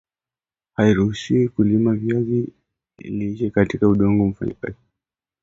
haishauriwi kulima viazi lishe katika udongo wa mfinyazi na wenye kokoto